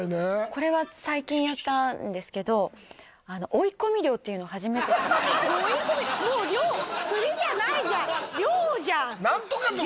これは最近やったんですけど追い込み漁っていうのを初めてやって追い込みもう漁釣りじゃないじゃん漁！